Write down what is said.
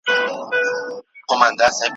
چي ده سم نه کړل خدای خبر چي به په چا سمېږي